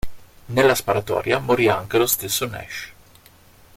Nella sparatoria morì anche lo stesso Nash.